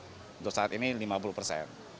untuk saat ini lima puluh persen